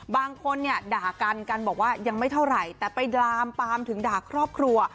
บางคนเนี่ยด่ากันกันบอกว่ายังไม่เท่าไหร่แต่ไปดามปามถึงด่าครอบครัว